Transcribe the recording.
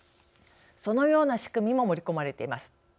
そのような仕組みも盛り込まれています。